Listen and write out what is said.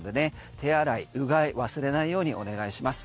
手洗い、うがい忘れないようにお願いします。